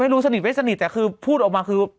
สนิทไม่สนิทแต่คือพูดออกมาคือ